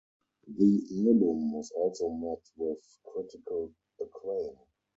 The album was also met with critical acclaim.